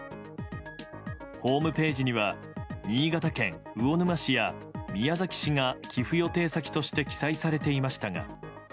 ホームページには新潟県魚沼市や宮崎市が寄付予定先として記載されていましたが。